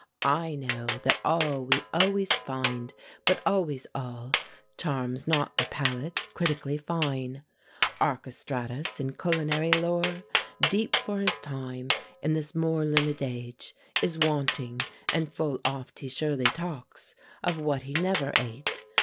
I know That all, we always find; but always all, Charms not the palate, critically fine. Archestratus, in culinary lore Deep for his time, in this more learned age Is wanting; and full oft he surely talks Of what he never ate.